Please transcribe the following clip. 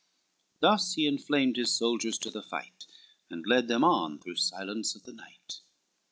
Thus he inflamed his soldiers to the fight, And led them on through silence of the night.